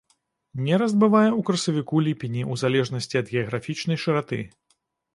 Нераст бывае ў красавіку-ліпені ў залежнасці ад геаграфічнай шыраты.